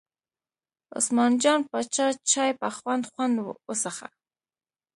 عثمان جان پاچا چای په خوند خوند وڅښه.